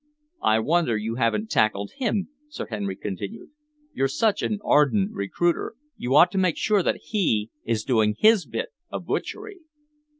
"I wonder you haven't tackled him," Sir Henry continued. "You're such an ardent recruiter, you ought to make sure that he is doing his bit of butchery."